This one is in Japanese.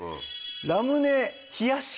ラムネ冷やし